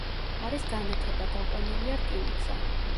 არის განათება; გაყვანილია რკინიგზა.